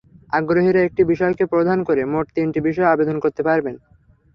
আগ্রহীরা একটি বিষয়কে প্রধান করে মোট তিনটি বিষয়ে আবেদন করতে পারবেন।